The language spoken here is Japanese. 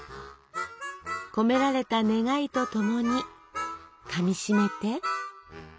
込められた願いと共にかみしめて！